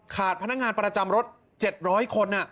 ขาดพนักงานประจำรถ๗๐๐คนน่ะ